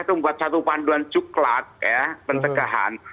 kalau pemerintah itu buat satu panduan coklat ya pencegahan